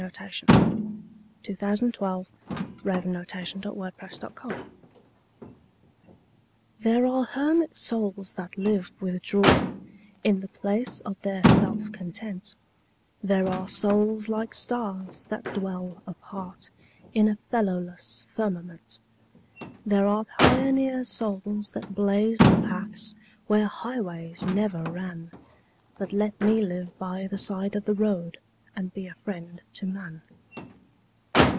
K L . M N . O P . Q R . S T . U V . W X . Y Z The House by the Side of the Road THERE are hermit souls that live withdrawn In the place of their self content; There are souls like stars, that dwell apart, In a fellowless firmament; There are pioneer souls that blaze the paths Where highways never ran But let me live by the side of the road And be a friend to man.